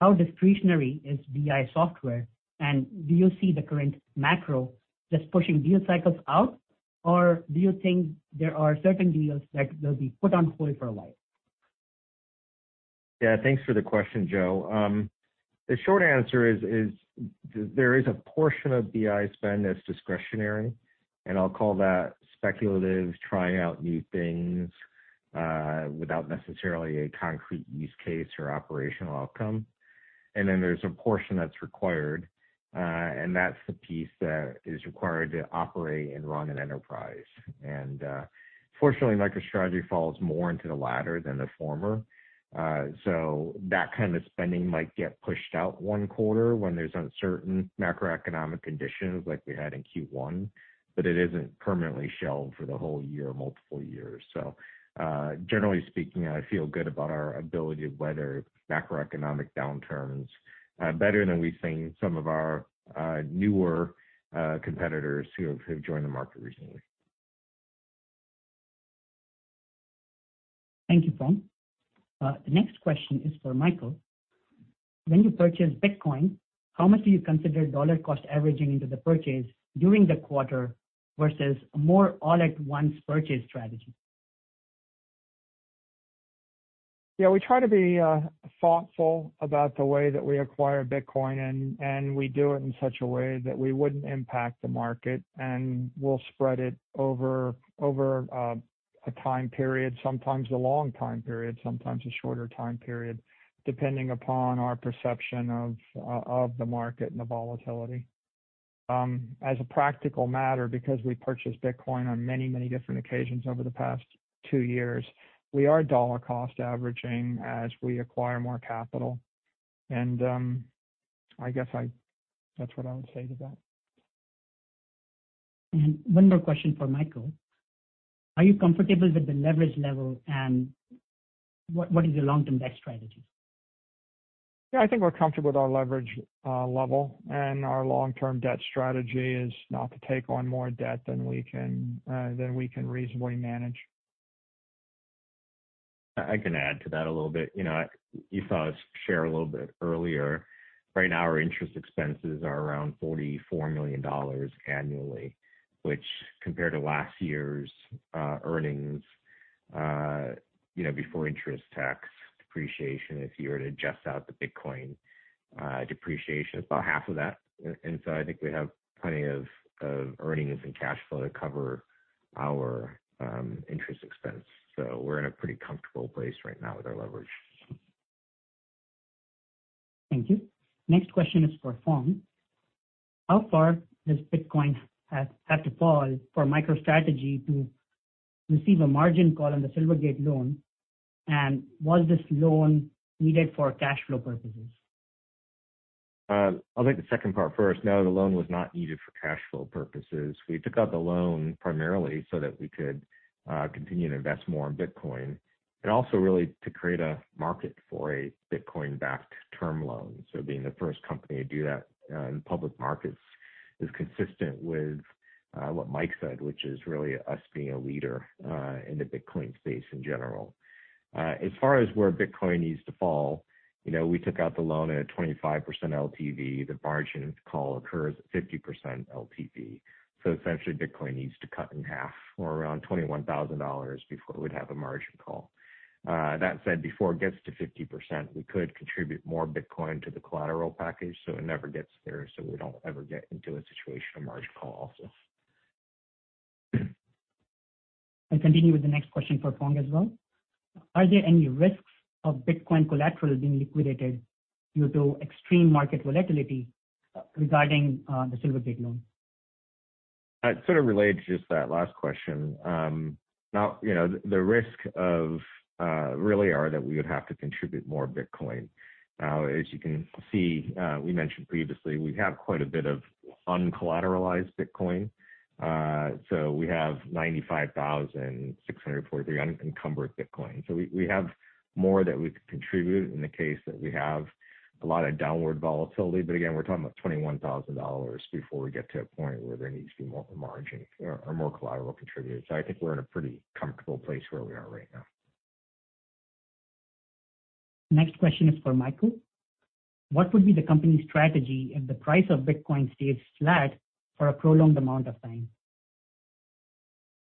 How discretionary is BI Software? And do you see the current macro just pushing deal cycles out? Or do you think there are certain deals that will be put on hold for a while? Yeah, thanks for the question, Joe. The short answer is there is a portion of BI spend that's discretionary, and I'll call that speculative, trying out new things without necessarily a concrete use case or operational outcome. There's a portion that's required, and that's the piece that is required to operate and run an enterprise. Fortunately, MicroStrategy falls more into the latter than the former. That kind of spending might get pushed out one quarter when there's uncertain macroeconomic conditions like we had in Q1, but it isn't permanently shelved for the whole year or multiple years. Generally speaking, I feel good about our ability to weather macroeconomic downturns better than we've seen some of our newer competitors who have joined the market recently. Thank you, Phong. The next question is for Michael. When you purchase Bitcoin, how much do you consider dollar cost averaging into the purchase during the quarter versus a more all at once purchase strategy? Yeah, we try to be thoughtful about the way that we acquire Bitcoin, and we do it in such a way that we wouldn't impact the market, and we'll spread it over a time period, sometimes a long time period, sometimes a shorter time period, depending upon our perception of the market and the volatility. As a practical matter, because we purchased Bitcoin on many different occasions over the past two years, we are dollar cost averaging as we acquire more capital. That's what I would say to that. One more question for Michael: Are you comfortable with the leverage level and what is your long-term debt strategy? Yeah, I think we're comfortable with our leverage level, and our long-term debt strategy is not to take on more debt than we can reasonably manage. I can add to that a little bit. You know, you saw us share a little bit earlier. Right now, our interest expenses are around $44 million annually, which compared to last year's earnings, you know, before interest, tax, depreciation, if you were to adjust out the Bitcoin depreciation, it's about half of that. I think we have plenty of earnings and cash flow to cover our interest expense. We're in a pretty comfortable place right now with our leverage. Thank you. Next question is for Phong. How far does Bitcoin have to fall for MicroStrategy to receive a margin call on the Silvergate loan? Was this loan needed for cash flow purposes? I'll take the second part first. No, the loan was not needed for cash flow purposes. We took out the loan primarily so that we could continue to invest more in Bitcoin, but also really to create a market for a Bitcoin-backed term loan. Being the first company to do that in public markets is consistent with what Mike said, which is really us being a leader in the Bitcoin space in general. As far as where Bitcoin needs to fall, you know, we took out the loan at a 25% LTV. The margin call occurs at 50% LTV. Essentially, Bitcoin needs to cut in half or around $21,000 before we'd have a margin call. That said, before it gets to 50%, we could contribute more Bitcoin to the collateral package, so it never gets there, so we don't ever get into a situation of margin call also. I'll continue with the next question for Phong as well. Are there any risks of Bitcoin collateral being liquidated due to extreme market volatility, regarding the Silvergate loan? It's sort of related to just that last question. Now, you know, the risk really is that we would have to contribute more Bitcoin. Now, as you can see, we mentioned previously, we have quite a bit of uncollateralized Bitcoin. So we have 95,643 unencumbered Bitcoin. We have more that we could contribute in the case that we have a lot of downward volatility. Again, we're talking about $21,000 before we get to a point where there needs to be more margin or more collateral contributed. I think we're in a pretty comfortable place where we are right now. Next question is for Michael. What would be the company's strategy if the price of Bitcoin stays flat for a prolonged amount of time?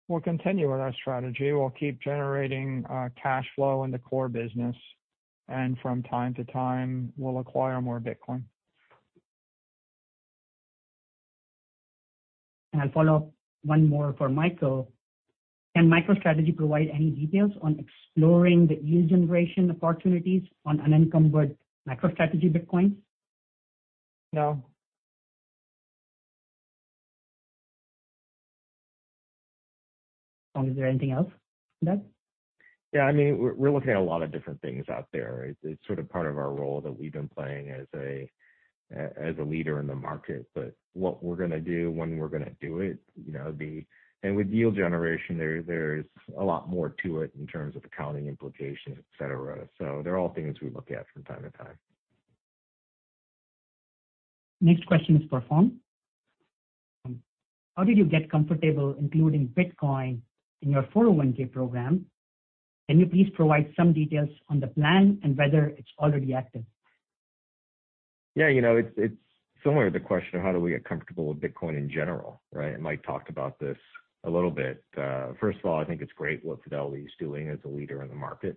We'll continue with our strategy. We'll keep generating cash flow in the core business, and from time to time, we'll acquire more Bitcoin. I'll follow up one more for Michael. Can MicroStrategy provide any details on exploring the yield generation opportunities on unencumbered MicroStrategy Bitcoin? No. Phong, is there anything else to that? Yeah, I mean, we're looking at a lot of different things out there. It's sort of part of our role that we've been playing as a leader in the market. But what we're gonna do, when we're gonna do it, you know. With yield generation, there's a lot more to it in terms of accounting implications, et cetera. They're all things we look at from time to time. Next question is for Phong. How did you get comfortable including Bitcoin in your 401(k) program? Can you please provide some details on the plan and whether it's already active? Yeah, you know, it's similar to the question of how do we get comfortable with Bitcoin in general, right? Mike talked about this a little bit. First of all, I think it's great what Fidelity is doing as a leader in the market.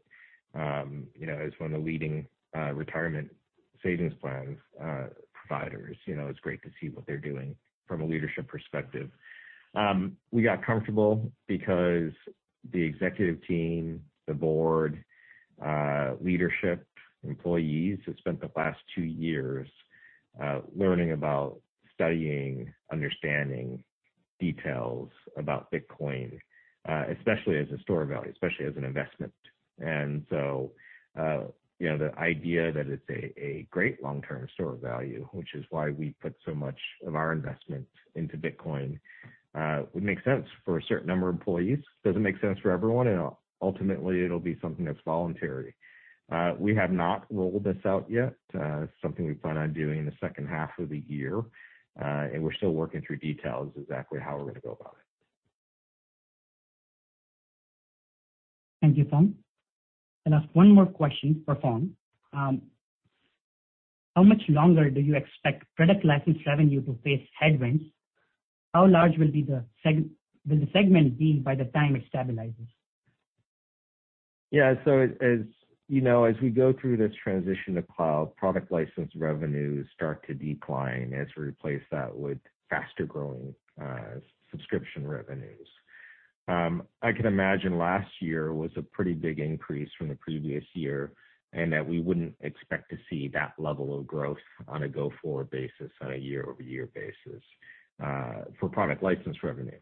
You know, as one of the leading retirement savings plans providers, you know, it's great to see what they're doing from a leadership perspective. We got comfortable because the executive team, the board, leadership, employees have spent the last two years learning, studying, understanding details about Bitcoin, especially as a store of value, especially as an investment. You know, the idea that it's a great long-term store of value, which is why we put so much of our investment into Bitcoin, would make sense for a certain number of employees. Doesn't make sense for everyone, and ultimately it'll be something that's voluntary. We have not rolled this out yet. Something we plan on doing in the second half of the year, and we're still working through details exactly how we're gonna go about it. Thank you, Phong. I'll ask one more question for Phong. How much longer do you expect product license revenue to face headwinds? How large will the segment be by the time it stabilizes? Yeah. As you know, as we go through this transition to cloud, product license revenues start to decline as we replace that with faster growing subscription revenues. I can imagine last year was a pretty big increase from the previous year, and that we wouldn't expect to see that level of growth on a go-forward basis, on a year-over-year basis, for product license revenue.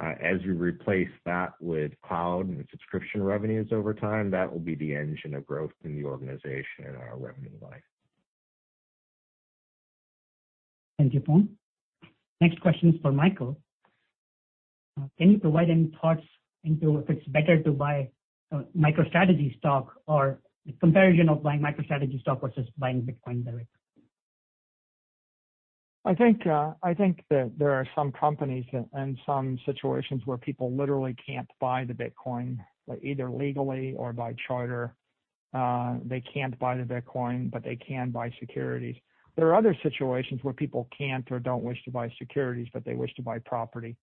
As we replace that with cloud and subscription revenues over time, that will be the engine of growth in the organization and our revenue line. Thank you, Phong. Next question is for Michael. Can you provide any thoughts into if it's better to buy MicroStrategy stock or the comparison of buying MicroStrategy stock versus buying Bitcoin directly? I think that there are some companies and some situations where people literally can't buy the Bitcoin, either legally or by charter. They can't buy the Bitcoin, but they can buy securities. There are other situations where people can't or don't wish to buy securities, but they wish to buy property.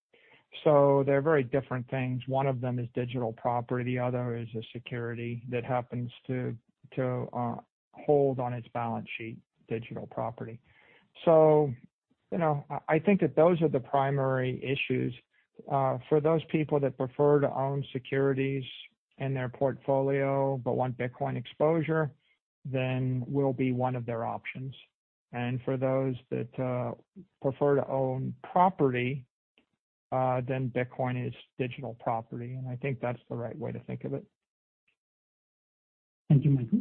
They're very different things. One of them is digital property, the other is a security that happens to hold on its balance sheet digital property. I think that those are the primary issues. For those people that prefer to own securities in their portfolio but want Bitcoin exposure, we'll be one of their options. For those that prefer to own property, Bitcoin is digital property, and I think that's the right way to think of it. Thank you, Michael.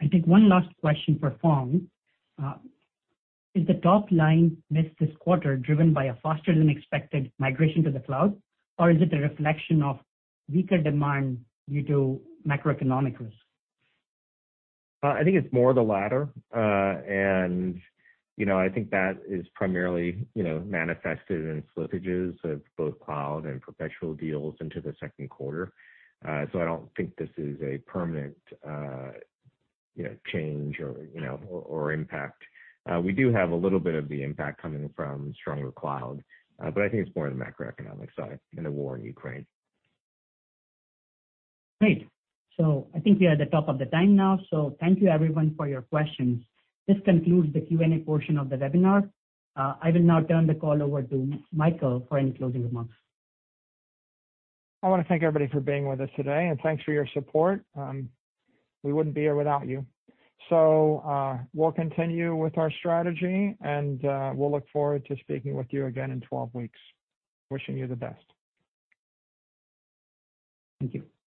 I think one last question for Phong. Is the top line missed this quarter driven by a faster than expected migration to the cloud, or is it a reflection of weaker demand due to macroeconomic risk? I think it's more the latter. I think that is primarily, you know, manifested in slippages of both cloud and perpetual deals into the second quarter. I don't think this is a permanent, you know, change or impact. We do have a little bit of the impact coming from stronger cloud. I think it's more on the macroeconomic side and the war in Ukraine. Great. I think we are at the top of the time now. Thank you everyone for your questions. This concludes the Q&A portion of the webinar. I will now turn the call over to Michael for any closing remarks. I wanna thank everybody for being with us today, and thanks for your support. We wouldn't be here without you. We'll continue with our strategy and we'll look forward to speaking with you again in 12 weeks. Wishing you the best. Thank you.